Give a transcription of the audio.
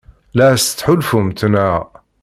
La as-tettḥulfumt, naɣ?